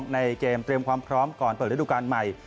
ในเกมเตรียมความพร้อมก่อนเปิดฤดูการใหม่